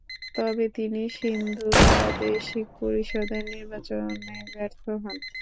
তবে তিনি সিন্ধুর প্রাদেশিক পরিষদের নির্বাচনে ব্যর্থ হন।